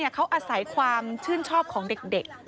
เขาอาศัยความชื่นชอบของเด็ก